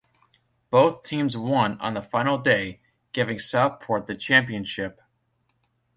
Both teams won on the final day, giving Southport the championship.